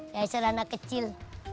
ya serana kecil